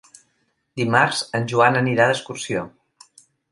Dimarts en Joan anirà d'excursió.